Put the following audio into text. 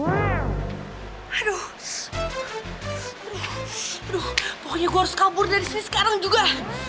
waduh pokoknya gue harus kabur dari sini sekarang juga